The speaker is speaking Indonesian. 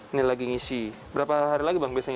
ini lagi ngisi berapa hari lagi bang biasanya